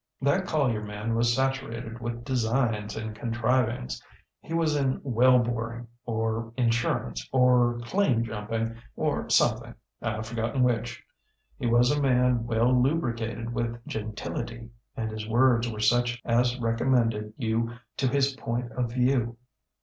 That Collier man was saturated with designs and contrivings. He was in well boring or insurance or claim jumping, or somethingŌĆöIŌĆÖve forgotten which. He was a man well lubricated with gentility, and his words were such as recommended you to his point of view.